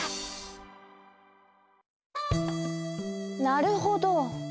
なるほど。